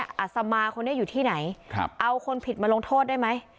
อัศมาคนนี้อยู่ที่ไหนเอาคนผิดมาลงโทษได้ไหม